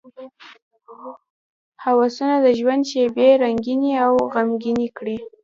هوسونه د ژوند شېبې رنګینې او غمګینې کړي.